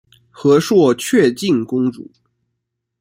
和硕悫靖公主。